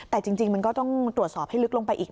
แต่จริงมันก็ต้องตรวจสอบให้ลึกลงไปอีก